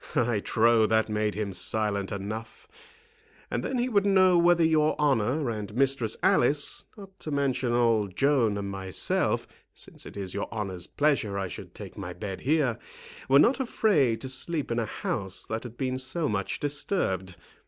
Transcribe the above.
I trow that made him silent enough. And then he would know whether your honour and Mistress Alice, not to mention old Joan and myself, since it is your honour's pleasure I should take my bed here, were not afraid to sleep in a house that had been so much disturbed.